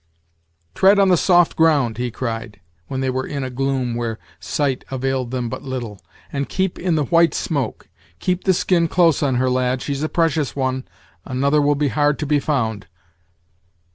"Tread on the soft ground," he cried, when they were in a gloom where sight availed them but little, "and keep in the white smoke; keep the skin close on her, lad; she's a precious one another will be hard to be found."